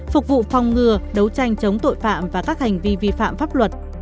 phục vụ phòng ngừa đấu tranh chống tội phạm và các hành vi vi phạm pháp luật